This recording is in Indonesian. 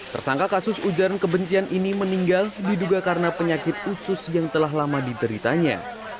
tersangka kasus ujaran kebencian ini meninggal diduga karena penyakit usus yang telah lama dideritanya